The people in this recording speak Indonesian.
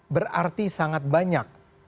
berarti sangat banyak